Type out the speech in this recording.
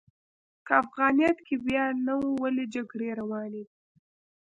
که افغانیت کې ویاړ نه و، ولې جګړې روانې دي؟